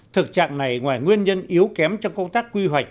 thực trạng này ngoài nguyên nhân yếu kém trong công tác quy hoạch